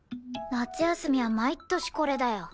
夏休みは毎年これだよ。